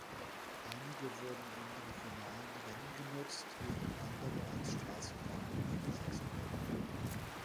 Einige wurden in regionalen Rennen genutzt, während andere als Straßenwagen eingesetzt wurden.